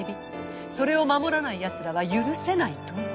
それを守らないやつらは許せないと？